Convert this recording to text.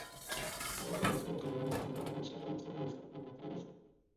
行编辑器只能从事最基本的文本输入与输出。